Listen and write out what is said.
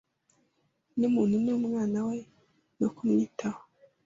Numuntu numwana we no kumwitaho